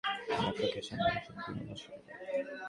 এতে ট্রাকটি একটি গাছের সঙ্গে ধাক্কা খেয়ে সামনের অংশ দুমড়েমুচড়ে যায়।